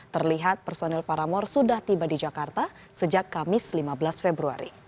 terlihat personil paramor sudah tiba di jakarta sejak kamis lima belas februari